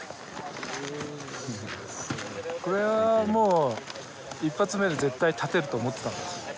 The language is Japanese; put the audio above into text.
これはもう１発目で絶対立てると思ってたの？